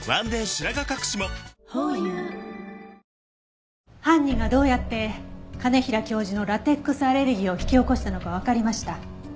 白髪かくしもホーユー犯人がどうやって兼平教授のラテックスアレルギーを引き起こしたのかわかりました。